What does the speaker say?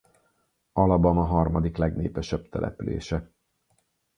Alabama harmadik legnépesebb települése.